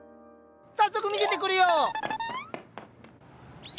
早速見せてくるよ。